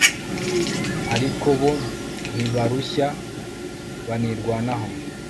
ariko bo ntibarushya banirwanaho